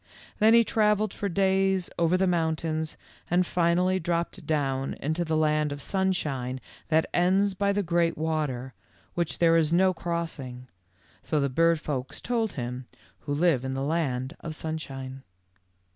Then he travelled for days over the mountains and finally dropped down into the land of sunshine that ends by the great water which there is no crossing, so the bird folks told him who live in the land of sunshine.